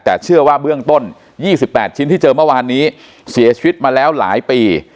แต่เชื่อว่าเบื้องต้น๒๘ชิ้นที่เจอเมื่อวานนี้เสียชีวิตมาแล้วหลายปี